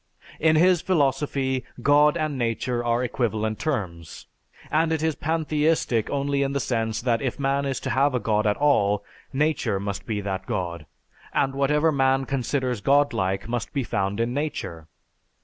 In his philosophy God and nature are equivalent terms and it is pantheistic only in the sense that if man is to have a god at all, nature must be that god, and whatever man considers godlike must be found in nature.